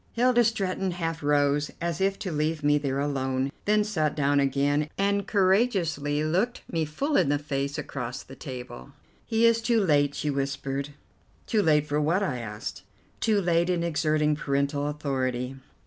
Hilda Stretton half rose, as if to leave me there alone, then sat down again, and courageously looked me full in the face across the table. "He is too late," she whispered. "Too late for what?" I asked. "Too late in exerting parental authority."